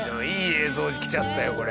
いい映像きちゃったよ